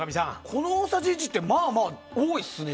この大さじ１ってまあまあ多いですね。